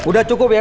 udah cukup ya